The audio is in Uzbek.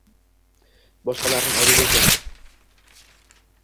Boshqalarning aybi bo’lsa